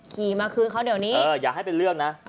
ขี่มาคืนเขาเดี๋ยวนี้อย่าให้เป็นเรื่องนะ